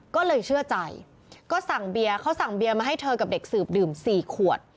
ก็เลยเชื่อใจก็สั่งเบียร์เขาสั่งเบียร์มาให้เธอกับเด็กสืบดื่ม๔ขวด